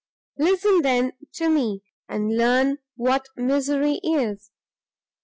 Listen then to me, and learn what Misery is!